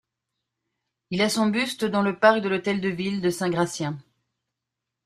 Il a son buste dans le parc de l'hôtel de ville de Saint-Gratien.